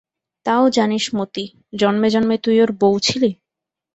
তাও জানিস মতি, জন্মে জন্মে তুই ওর বৌ ছিলি?